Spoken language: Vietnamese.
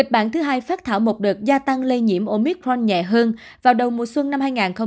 bản thứ hai phát thảo một đợt gia tăng lây nhiễm omicron nhẹ hơn vào đầu mùa xuân năm hai nghìn hai mươi hai